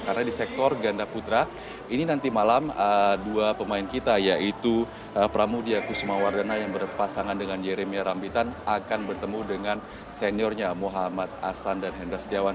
karena di sektor gandaputra ini nanti malam dua pemain kita yaitu pramudia kusumawardana yang berpasangan dengan jeremia rambitan akan bertemu dengan seniornya muhammad asan dan hendra setiawan